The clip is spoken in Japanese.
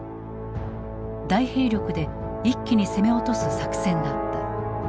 大兵力で一気に攻め落とす作戦だった。